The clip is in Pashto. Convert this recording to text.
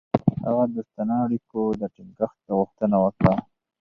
هغه د دوستانه اړیکو د ټینګښت غوښتنه وکړه.